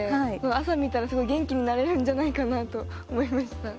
朝見たら、すごい元気になれるんじゃないかなと思いました。